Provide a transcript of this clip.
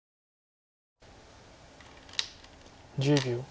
１０秒。